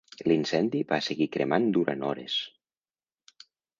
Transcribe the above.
L'incendi va seguir cremant durant hores.